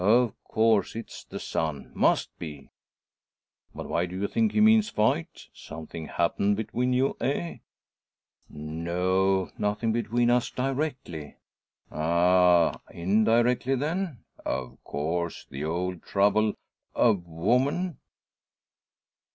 Of course it's the son must be." "But why do you think he means fight? Something happened between you, eh?" "No; nothing between us, directly." "Ah! Indirectly, then? Of course the old trouble a woman."